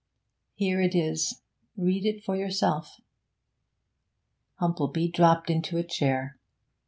Here it is; read it for yourself.' Humplebee dropped into a chair.